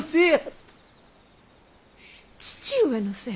父上のせい？